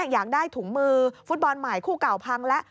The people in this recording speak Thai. อยากได้ถุงมือฟุตบอลใหม่คู่เก่าพังแล้ว